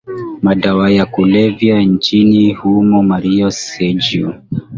madawa ya kulevya nchini humoMario Sergio